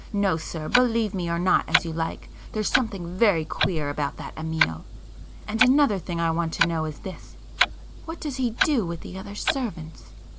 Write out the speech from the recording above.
No sir, believe me or not as you like, there's something very queer about that Amiel. And another thing I want to know is this—what does he do with the other servants?"